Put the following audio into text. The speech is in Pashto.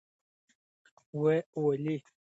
والي ټولو ته سپارښتنه وکړه.